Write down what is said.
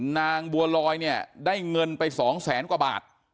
นางบัวลอยได้เงินไป๒๐๐๐๐๐กว่าบาท